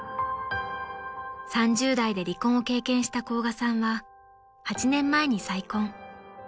［３０代で離婚を経験した甲賀さんは８年前に再婚］